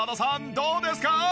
どうですか？